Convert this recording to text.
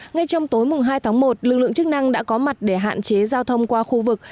ngay trong tối hai tháng một lực lượng chức năng đã có mặt để hạn chế giao thông qua khu vực